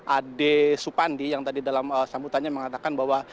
ade supandi yang tadi dalam sambutannya mengatakan bahwa